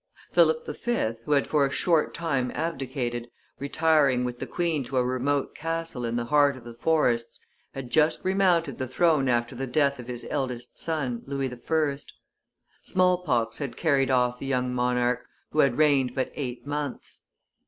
Philip V., who had for a short time abdicated, retiring with the queen to a remote castle in the heart of the forests, had just remounted the throne after the death of his eldest son, Louis I. Small pox had carried off the young monarch, who had reigned but eight months.